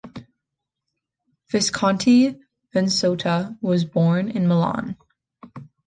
Visconti-Venosta was born at Milan.